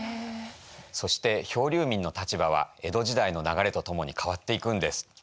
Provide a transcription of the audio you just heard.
そして漂流民の立場は江戸時代の流れとともに変わっていくんです。